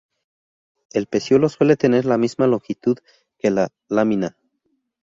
El peciolo suele tener la misma longitud que la lámina.